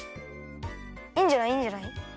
いいんじゃないいいんじゃない。